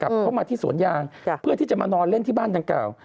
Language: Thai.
เข้ามาที่สวนยางเพื่อที่จะมานอนเล่นที่บ้านดังกล่าว